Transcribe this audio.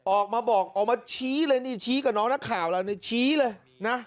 ออกมาบอกออกมาชี้เลยชี้กับน้องนักข่าวชี้เลย